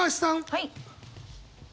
はい。